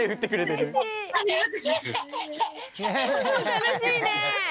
楽しいね。